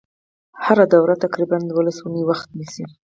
هره دوره تقریبا دولس اونۍ وخت نیسي.